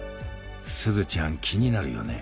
すずちゃん気になるよね？